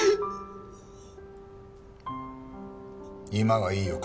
今はいいよ